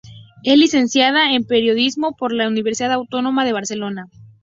Es licenciada en Periodismo por la Universidad Autónoma de Barcelona.